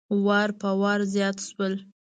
وار په وار زیات شول.